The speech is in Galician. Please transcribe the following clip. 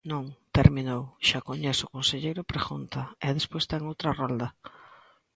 Non, terminou, xa coñece o conselleiro a pregunta, e despois ten outra rolda.